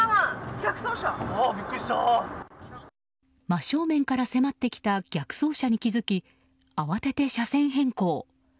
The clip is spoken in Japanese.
真正面から迫ってきた逆走車に気づき慌てて車線変更。